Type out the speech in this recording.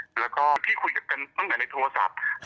ชิคกี้พี่คุยกับกันตั้งแต่ที่โทรศัพท์